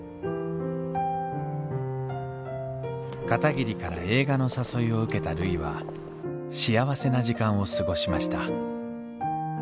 片桐から映画の誘いを受けたるいは幸せな時間を過ごしました